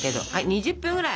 ２０分ぐらい！